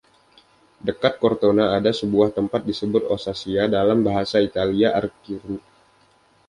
Dekat Kortona, ada sebuah tempat disebut ‘Ossaia’, dalam bahasa Italia artinya kuburan.